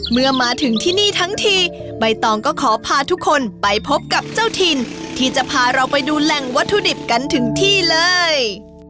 เมื่อมาถึงที่นี่ทั้งทีใบตองก็ขอพาทุกคนไปพบกับเจ้าถิ่นที่จะพาเราไปดูแหล่งวัตถุดิบกันถึงที่เลย